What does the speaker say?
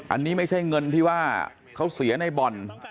อันนี้ไม่ใช่เงินที่ว่าเขาเสียในบ่อน